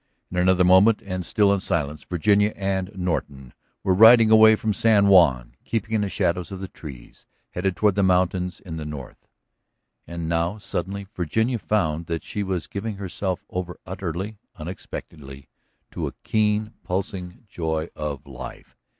In another moment, and still in silence, Virginia and Norton were riding away from San Juan, keeping in the shadows of the trees, headed toward the mountains in the north. And now suddenly Virginia found that she was giving herself over utterly, unexpectedly to a keen, pulsing joy of life.